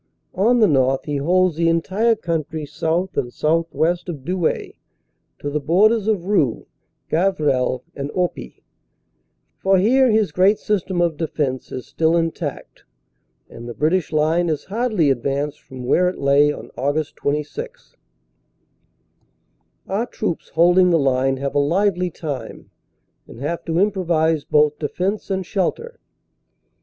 On the north he holds the entire country south and southwest of Douai to the borders of Roeux, Gavrelle and Oppy, for here his great system of defense is still intact and the British line has hardly advanced from where it lay on Aug. 26. Our troops holding the line have a lively time, and have to improvise both defense and shelter.